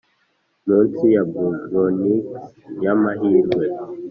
munsi ya bludgeonings y'amahirwe